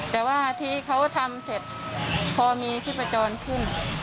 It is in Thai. แต่ว่าที่เขาทำเสร็จพอมีชีพจรขึ้น